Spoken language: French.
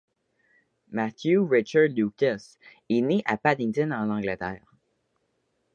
Matthew Richard Lucas est né à Paddington en Angleterre.